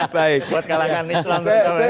buat kalahkan islam